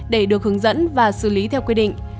để được hướng dẫn và xử lý theo quy định